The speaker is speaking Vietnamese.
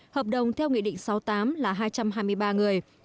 hợp đồng theo nghị định sáu mươi tám là hai trăm hai mươi ba người